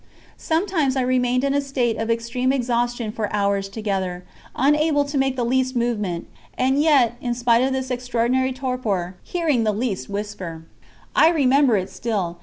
Sometimes I remained in a state of extreme exhaustion for hours together, unable to make the least movement, and yet, in spite of this extraordinary torpor, hearing the least whisper. I remember it still.